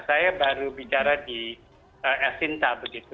saya baru bicara di sinta